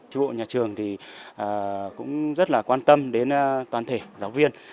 tri bộ nhà trường thì cũng rất là quan tâm đến toàn thể giáo viên